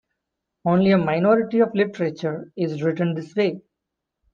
Only a minority of literature is written this way.